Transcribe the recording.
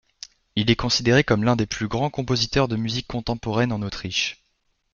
Il est considéré comme l'un des plus grands compositeurs de musique contemporaine en Autriche.